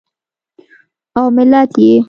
او ملت یې